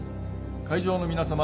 会場の皆様